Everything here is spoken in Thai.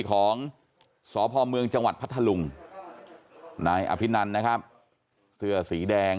ของสพเมืองจังหวัดพัทธลุงนายอภินันนะครับเสื้อสีแดง